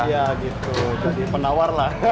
iya gitu jadi penawar lah